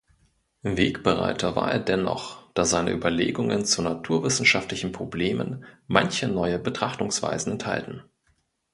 Wegbereiter war er dennoch, da seine Überlegungen zu naturwissenschaftlichen Problemen manche neue Betrachtungsweisen enthalten.